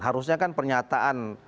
harusnya kan pernyataan